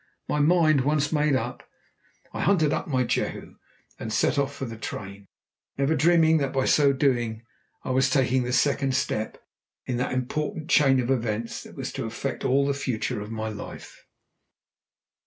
My mind once made up, I hunted up my Jehu and set off for the train, never dreaming that by so doing I was taking the second step in that important chain of events that was to affect all the future of my life.